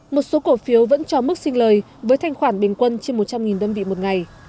một số cổ phiếu vẫn cho mức sinh lời với thanh khoản bình quân trên một trăm linh đơn vị một ngày